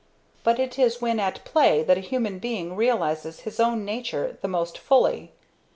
But it is when at play that a human being realizes his own nature the most fully.